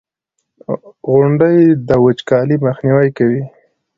• غونډۍ د وچکالۍ مخنیوی کوي.